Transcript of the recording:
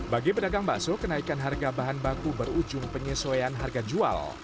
bagi pedagang bakso kenaikan harga bahan baku berujung penyesuaian harga jual